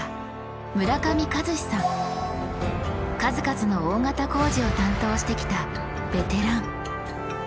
数々の大型工事を担当してきたベテラン。